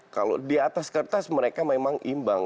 kalau di atas kertas mereka memang imbang